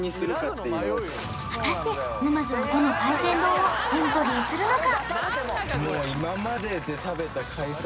果たして沼津はどの海鮮丼をエントリーするのか？